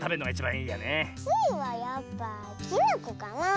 スイはやっぱきなこかなあ。